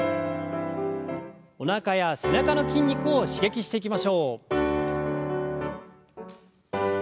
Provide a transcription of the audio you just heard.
おなかや背中の筋肉を刺激していきましょう。